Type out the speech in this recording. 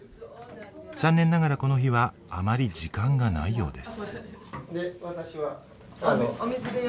残念ながらこの日はあまり時間がないようです。